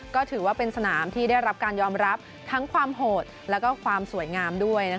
ก็ถือว่าเป็นสนามที่ได้รับการยอมรับทั้งความโหดและความสวยงามด้วย